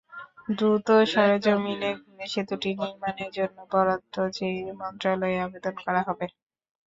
দ্রুত সরেজমিনে ঘুরে সেতুটি নির্মাণের জন্য বরাদ্দ চেয়ে মন্ত্রণালয়ে আবেদন করা হবে।